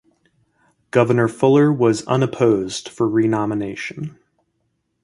Governor Fuller was unopposed for renomination.